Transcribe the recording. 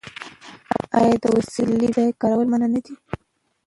آیا د وسلې بې ځایه کارول منع نه دي؟